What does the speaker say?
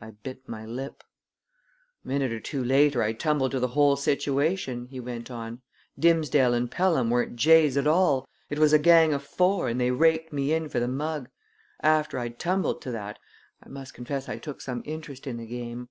I bit my lip. "A minute or two later I tumbled to the whole situation," he went on. "Dimsdale and Pelham weren't jays at all. It was a gang of four and they raked me in for the mug. After I'd tumbled to that I must confess I took some interest in the game.